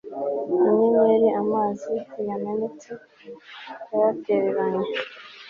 Inyenyeri amazi yamenetse yaratereranye